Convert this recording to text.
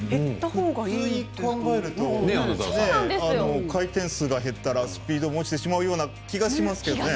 普通に考えると回転数が減ったらスピードも落ちてしまうような気がしますけど。